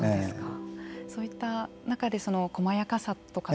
そういった中でも細やかさとか。